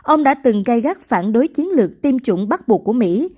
ông đã từng gai gác phản đối chiến lược tiêm chủng bắt buộc của mỹ